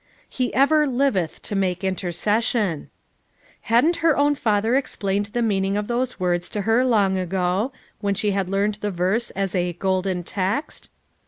"He ever liveth to make intercession." Hadn't her own father explained the meaning of those words to her long ago, when she had learned the verse as a "golden text"?